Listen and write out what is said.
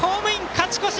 勝ち越し！